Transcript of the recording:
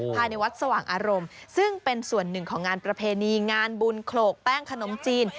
ภายในวัดสว่างอารมณ์ซึ่งเป็นส่วนหนึ่งของงานประเพณีงานบุญโขลกแป้งขนมจีน